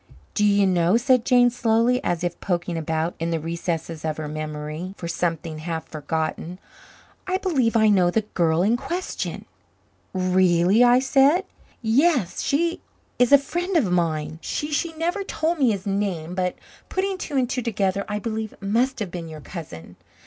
"Do you know," said Jane slowly, as if poking about in the recesses of her memory for something half forgotten. "I believe I know the the girl in question." "Really?" I said. "Yes, she is a friend of mine. She she never told me his name, but putting two and two together, I believe it must have been your cousin.